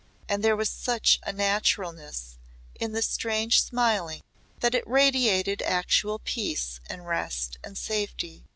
And there was such a naturalness in the strange smiling that it radiated actual peace and rest and safety.